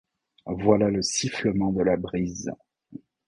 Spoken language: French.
Voilà le sifflement de la brise !